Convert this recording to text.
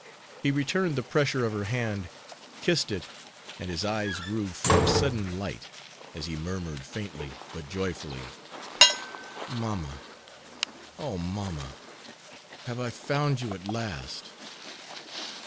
He returned the pressure of her hand, kissed it, and his eyes grew full of sudden light, as he murmured faintly, but joyfully: "Mamma; oh, mamma! have I found you at last?"